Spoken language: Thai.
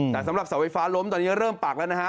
แต่สำหรับเสาไฟฟ้าล้มตอนนี้เริ่มปักแล้วนะฮะ